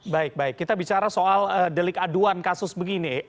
baik baik kita bicara soal delik aduan kasus begini